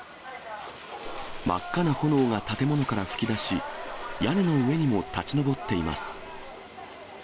真っ赤な炎が建物から噴き出し、屋根の上にも立ち上っています。